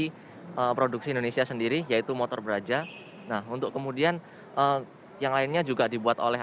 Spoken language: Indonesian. di produksi indonesia sendiri yaitu motor braja nah untuk kemudian yang lainnya juga dibuat oleh